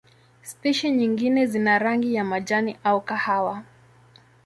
Spishi nyingine zina rangi ya majani au kahawa.